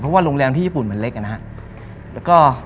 เพราะว่าโรงแรมที่ญี่ปุ่นมันเล็กนะครับ